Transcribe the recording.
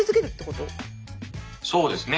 そうですね。